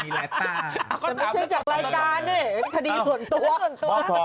รายการเนี่ยคดีส่วนตัว